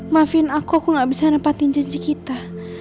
maafin aku aku gak bisa nepatin janji kita